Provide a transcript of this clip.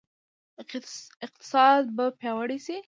اقتصاد به پیاوړی شي؟